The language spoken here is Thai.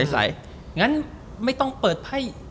งั้นไม่ต้องเปิดไพ่